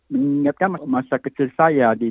mengingatkan masa kecil saya